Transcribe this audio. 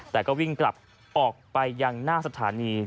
แต่ก็วิ่งกลับออกไปยังหน้าสถานี